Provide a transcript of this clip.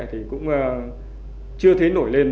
thì cũng chưa thấy nổi lên